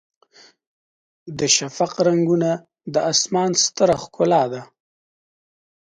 د شفق رنګونه د اسمان ستره ښکلا ده.